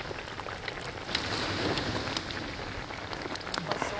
「うまそう」